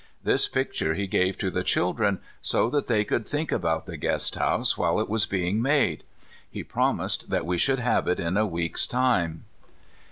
This picture he gave to the children, so that they could think about the guest house while it was being made. He promised that we should have it in a week's time.